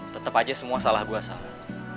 tetep aja semua salah gue salah